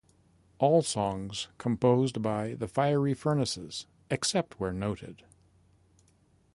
All songs composed by The Fiery Furnaces, except where noted.